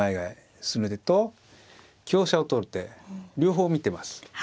進めると香車を取る手両方見てます。